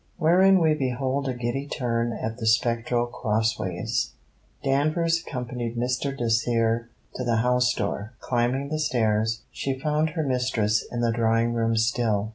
WHEREIN WE BEHOLD A GIDDY TURN AT THE SPECTRAL CROSSWAYS Danvers accompanied Mr. Dacier to the house door. Climbing the stairs, she found her mistress in the drawing room still.